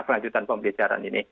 pelanjutan pembelajaran ini